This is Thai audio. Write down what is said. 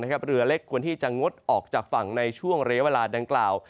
เรือเล็กควรที่จะงดออกจากฝั่งในช่วงระยะเวลาดังกล่าว